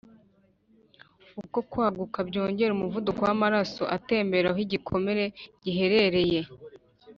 Uko kwaguka byongera umuvuduko w amaraso atemberera aho igikomere giherereye